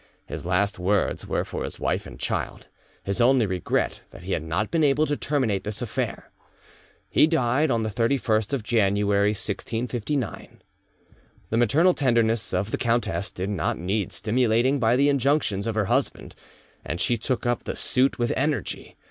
His last words were for his wife and child; his only regret that he had not been able to terminate this affair. He died on the 31st of January 1659. The maternal tenderness of the countess did not need stimulating by the injunctions of her husband, and she took up the suit with energy.